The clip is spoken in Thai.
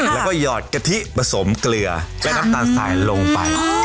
แล้วก็หยอดกะทิผสมเกลือและน้ำตาลทรายลงไป